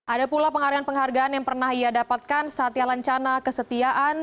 ada pula penghargaan penghargaan yang pernah ia dapatkan saat ia lancana kesetiaan